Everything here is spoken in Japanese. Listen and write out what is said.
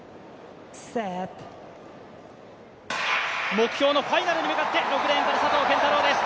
目標のファイナルに向かって６レーンから佐藤拳太郎です。